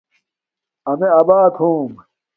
امیے آبار ہوم